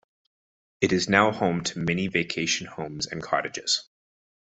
It is now home to many vacation homes and cottages.